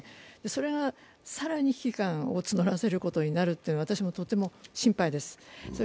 それが更に危機感を募らせることになるというのは私もとても心配です。